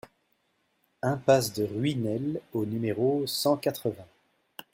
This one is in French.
Impasse de Ruinel au numéro cent quatre-vingts